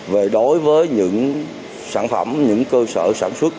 về đối với những sản phẩm những cơ sở sản xuất